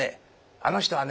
あの人はね